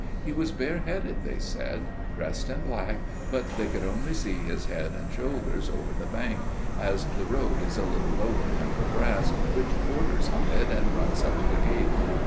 He was bareheaded, they said, dressed in black, but they could only see his head and shoulders over the bank, as the road is a little lower than the grass which borders on it and runs up to the gate.